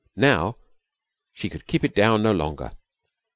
Now she could keep it down no longer.